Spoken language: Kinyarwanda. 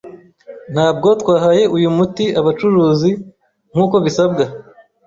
Ntabwo twahaye uyu muti abacuruzi. Nk'uko bisabwa,